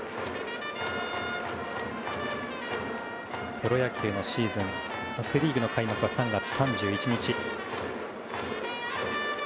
プロ野球のシーズンセ・リーグの開幕は３月３１日。